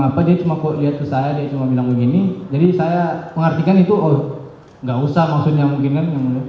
apa dia cuma lihat ke saya dia cuma bilang begini jadi saya mengartikan itu oh nggak usah maksudnya mungkin kan